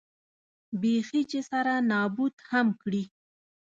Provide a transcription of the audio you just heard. بېخي چې سره نابود هم کړي.